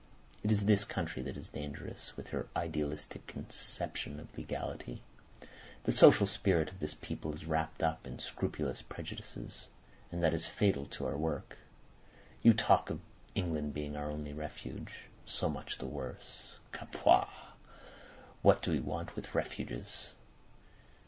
It is this country that is dangerous, with her idealistic conception of legality. The social spirit of this people is wrapped up in scrupulous prejudices, and that is fatal to our work. You talk of England being our only refuge! So much the worse. Capua! What do we want with refuges?